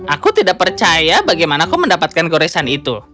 aku tidak percaya bagaimana kau mendapatkan goresan itu